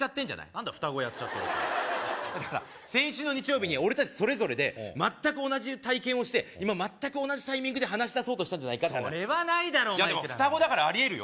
なんだ双子やっちゃってるって先週の日曜日に俺たちそれぞれで全く同じ体験をして今全く同じタイミングで話しだそうとしたんじゃないかそれはないだろいくら何でも双子だからありえるよ